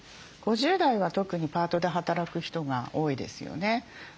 ５０代は特にパートで働く人が多いですよね。